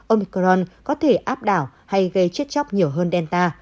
omicron có thể áp đảo hay gây chết chóc nhiều hơn delta